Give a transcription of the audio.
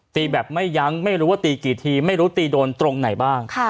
แบบไม่ยั้งไม่รู้ว่าตีกี่ทีไม่รู้ตีโดนตรงไหนบ้าง